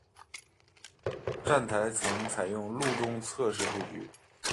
站台层采用路中侧式布局。